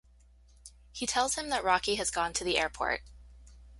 He tells him that Rocky has gone to the airport.